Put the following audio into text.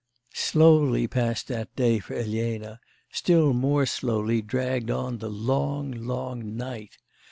Slowly passed that day for Elena; still more slowly dragged on the long, long night.